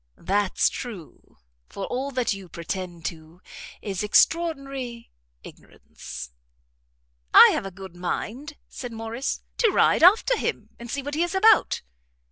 "That's true; for all that you pretend to is extraordinary ignorance." "I have a good mind," said Morrice, "to ride after him, and see what he is about."